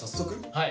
はい。